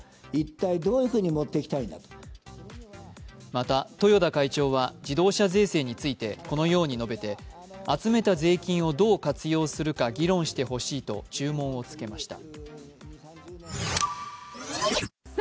また、豊田会長は自動車税制についてこのように述べて、集めた税金をどう活用するか議論してほしいと注文をつけました。